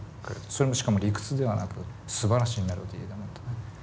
それもしかも理屈ではなくすばらしいメロディーでもってね。